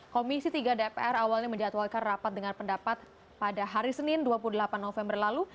komisi tiga dpr awalnya menjatuhkan rapat dengan pendapat pada hari senin dua puluh delapan november lalu